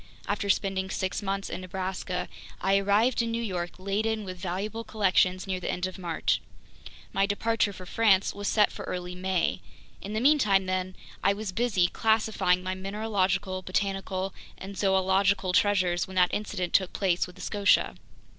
After spending six months in Nebraska, I arrived in New York laden with valuable collections near the end of March. My departure for France was set for early May. In the meantime, then, I was busy classifying my mineralogical, botanical, and zoological treasures when that incident took place with the Scotia.